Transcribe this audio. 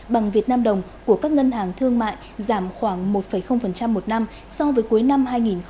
bằng việt nam đồng của các ngân hàng thương mại giảm khoảng một một năm so với cuối năm hai nghìn một mươi chín